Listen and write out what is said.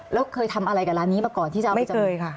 แล้วเคยทำอะไรกับร้านนี้มาก่อนที่จะเอาไปจำเลยค่ะ